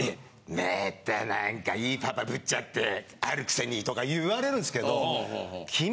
またなんかいいパパぶっちゃってあるくせにとか言われるんですけど。